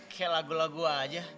kayak lagu lagu aja